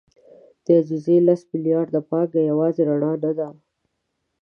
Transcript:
د عزیزي لس میلیارده پانګه یوازې رڼا نه ده.